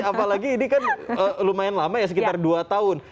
apalagi ini kan lumayan lama ya sekitar dua tahun